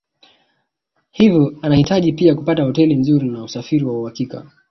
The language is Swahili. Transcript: Hivyo anahitaji pia kupata hoteli nzuri na usafiri wa uhakika